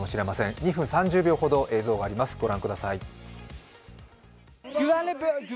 ２分３０秒ほど映像があります、ご覧ください。